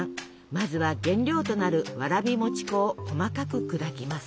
まずは原料となるわらび餅粉を細かく砕きます。